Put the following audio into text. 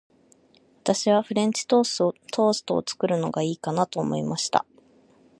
私はフレンチトーストを作るのかなと思いました。